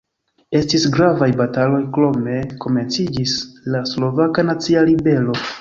Estis gravaj bataloj, krome komenciĝis la Slovaka Nacia Ribelo.